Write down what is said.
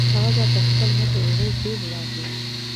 هغه به تر خپل مشر ورور ډېر وړاندې وي